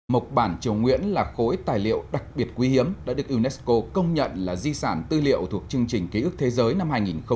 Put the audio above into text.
mộc bản triều nguyễn là khối tài liệu đặc biệt quý hiếm đã được unesco công nhận là di sản tư liệu thuộc chương trình ký ức thế giới năm hai nghìn một mươi chín